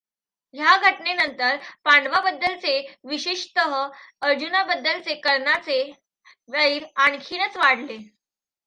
ह्या घटनेनंतर पांडवांबद्दलचे विशेषतः अर्जुनाबद्दलचे कर्णाचे वैर आणखीनच वाढले.